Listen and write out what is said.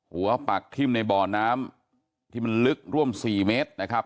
ปักทิ่มในบ่อน้ำที่มันลึกร่วม๔เมตรนะครับ